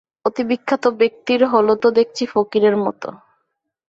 অতি বিখ্যাত ব্যক্তির হল তো দেখছি ফকিরের মতো!